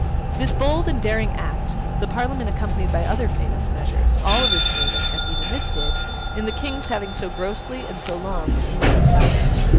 This bold and daring act, the Parliament accompanied by other famous measures, all originating (as even this did) in the King's having so grossly and so long abused his power.